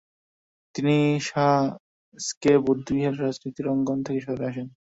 তিনি সা-স্ক্যা বৌদ্ধবিহারের রাজনীতির অঙ্গন থেকে সরে আসেন।